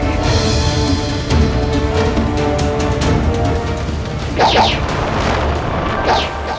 sampai jumpa di video selanjutnya